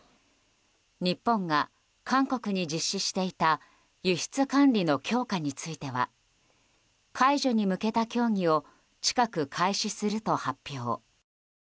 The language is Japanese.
日本が韓国に実施していた輸出管理の強化については解除に向けた協議を近く開始すると発表。